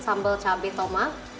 sambel cabai tomat